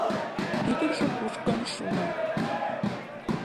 Ӱдыржӧ кушкын шуын.